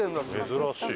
珍しい。